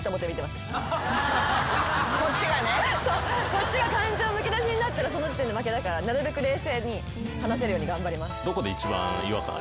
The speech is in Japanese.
こっちが感情むき出しになったらその時点で負けだからなるべく冷静に話せるように頑張ります。